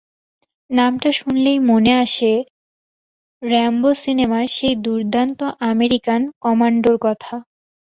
নামটা শুনলেই মনে আসে র্যাম্বো সিনেমার সেই দুর্দান্ত আমেরিকান কমান্ডোর কথা।